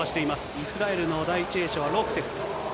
イスラエルの第１泳者はロクテフ。